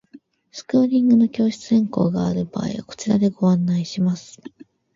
スクーリングの教室変更がある場合はこちらでご案内します。